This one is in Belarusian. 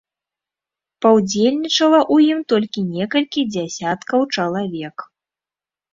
Паўдзельнічала ў ім толькі некалькі дзясяткаў чалавек.